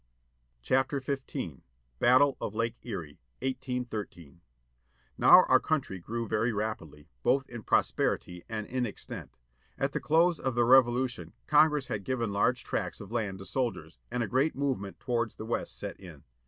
^*m: ; DECATUR BURNING THE rHILADELPHIA ' BATTLE OF LAKE ERIE. 1813 ^mn OW our country grew very rapidly, both in prosperity and in extent. At the close of the Revolution Congress had given large tracts of land to soldiers, and a great movement towards the West set in.